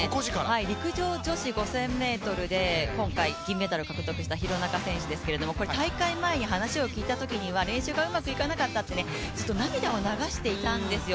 陸上女子５０００ｍで今回、銀メダルを獲得した廣中選手ですけれども、大会前に話を聞いたときには練習がうまくいかなかったと涙を流していたんですよ。